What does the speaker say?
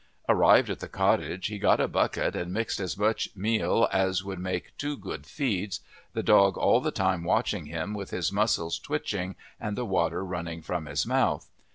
Arrived at the cottage he got a bucket and mixed as much meal as would make two good feeds, the dog all the time watching him with his muscles twitching and the water running from his mouth.